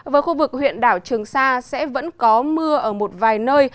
với khu vực huyện đảo trường sa sẽ vẫn có mưa ở một vài nơi